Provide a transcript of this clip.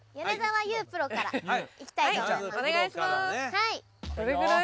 はい。